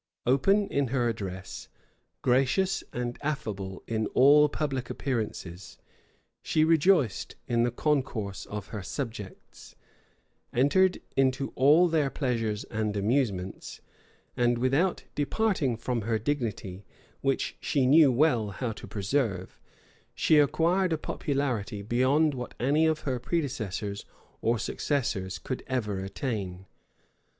Open in her address, gracious and affable in all public appearances, she rejoiced in the concourse of her subjects, entered into all their pleasures and amusements; and without departing from her dignity, which she knew well how to preserve, she acquired a popularity beyond what any of her predecessors or successors ever could attain.